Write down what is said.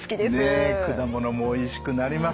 ねっ果物もおいしくなりますし。